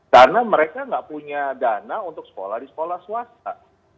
karena mereka tidak punya dana untuk sekolah di sekolah swasta